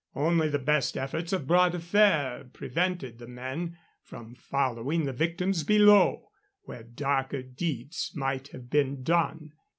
Only the best efforts of Bras de Fer prevented the men from following the victims below, where darker deeds might have been done.